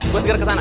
gue segera ke sana